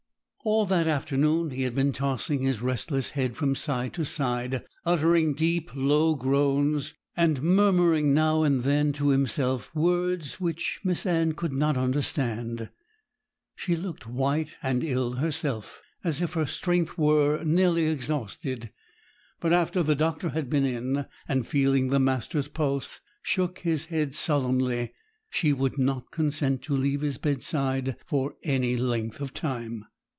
All that afternoon he had been tossing his restless head from side to side, uttering deep, low groans, and murmuring now and then to himself words which Miss Anne could not understand. She looked white and ill herself, as if her strength were nearly exhausted; but after the doctor had been in, and, feeling the master's pulse, shook his head solemnly, she would not consent to leave his bedside for any length of time.